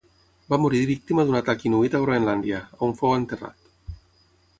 Va morir víctima d'un atac inuit a Groenlàndia, on fou enterrat.